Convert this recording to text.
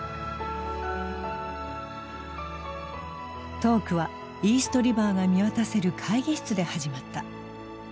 トークはイーストリバーが見渡せる会議室で始まった。